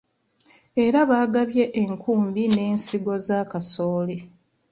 Era baagabye enkumbi n'ensigo za kasooli.